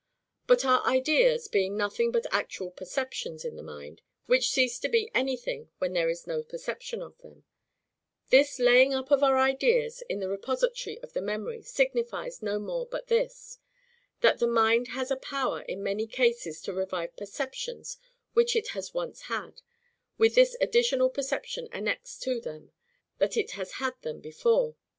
But, our IDEAS being nothing but actual perceptions in the mind, which cease to be anything; when there is no perception of them; this laying up of our ideas in the repository of the memory signifies no more but this,—that the mind has a power in many cases to revive perceptions which it has once had, with this additional perception annexed to them, that IT HAS HAD THEM BEFORE.